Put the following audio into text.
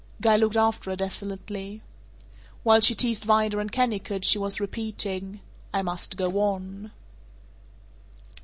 Guy looked after her desolately. While she teased Vida and Kennicott she was repeating, "I must go on."